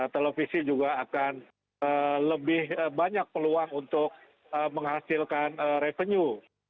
televisi juga akan lebih banyak peluang untuk menghasilkan revenue